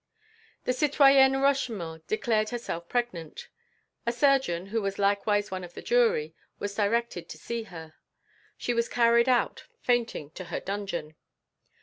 The citoyenne Rochemaure declared herself pregnant. A surgeon, who was likewise one of the jury, was directed to see her. She was carried out fainting to her dungeon.